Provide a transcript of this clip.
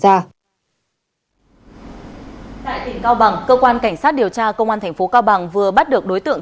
tại tỉnh cao bằng cơ quan cảnh sát điều tra công an tp cao bằng vừa bắt được đối tượng